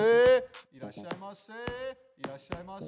いらっしゃいませ！